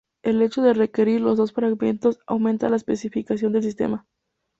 El hecho de requerir los dos fragmentos aumenta la especificidad del sistema.